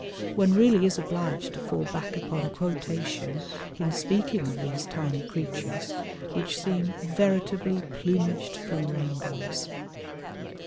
One really is obliged to fall back upon quotation in speaking of these tiny creatures, which seem veritably "plumaged from rainbows."